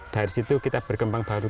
dari situ kita berkembang baru